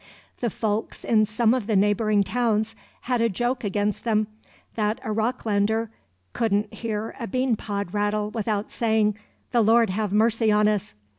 The folks in some of the neighboring towns had a joke against them, that a Rocklander could n't hear a beanpod rattle without saying, "The Lord have mercy on us!"